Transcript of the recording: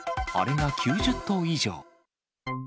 あれが９０頭以上。